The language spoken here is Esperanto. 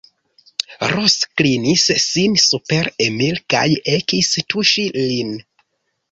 Ros klinis sin super Emil kaj ekis tuŝi lin.